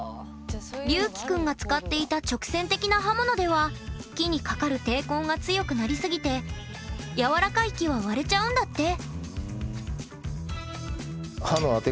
りゅうきくんが使っていた直線的な刃物では木にかかる抵抗が強くなりすぎて柔らかい木は割れちゃうんだって。